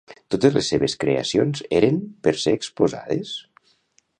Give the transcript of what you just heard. Totes les seves creacions eren per ser exposades?